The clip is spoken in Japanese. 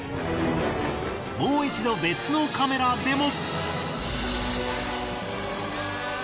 もう一度別のカメラでも。